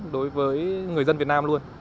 đối với người dân việt nam luôn